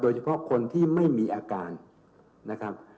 เฉพาะคนที่ไม่มีอาการนะครับ